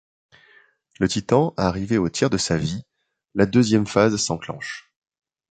Le titan arrivé au tiers de sa vie, la deuxième phase s'enclenche.